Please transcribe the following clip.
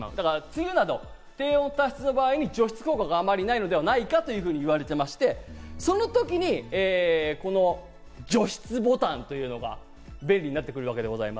梅雨など低温多湿の場合、除湿効果があまりないのではないかと言われていまして、その時に除湿ボタンが便利になるわけです。